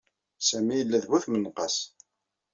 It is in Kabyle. Sami yella d bu tmenqas.